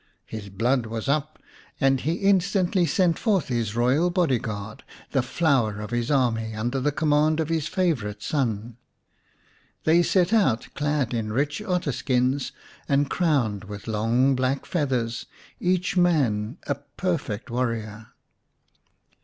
His blood was up, and he instantly sent forth his royal body guard, the flower of his army, under the command of his favourite son. They set out, clad in rich otter skins and crowned with long black feathers, each man a perfect warrior.